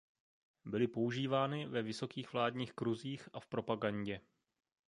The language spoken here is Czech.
Byly používány ve vysokých vládních kruzích a v propagandě.